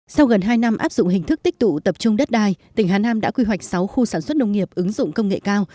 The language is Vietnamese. sau gần hai năm áp dụng hình thức tích tụ tập trung đất đài tỉnh hà nam đã quy hoạch sáu khu sản xuất nông nghiệp ứng dụng công nghệ cao